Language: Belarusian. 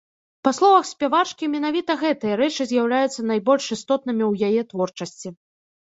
Па словах спявачкі, менавіта гэтыя рэчы з'яўляюцца найбольш істотнымі ў яе творчасці.